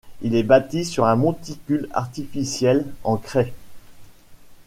Il est bâti sur un monticule artificiel en craie.